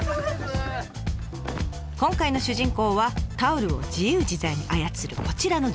今回の主人公はタオルを自由自在に操るこちらの女性。